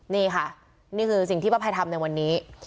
นี่ค่ะนี่คือสิ่งที่ป้าภัยทำในวันนี้